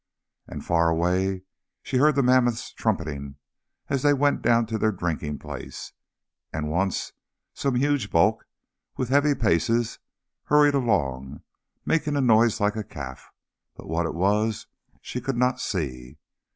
And far away she heard the mammoths trumpeting as they went down to the drinking place, and once some huge bulk with heavy paces hurried along, making a noise like a calf, but what it was she could not see.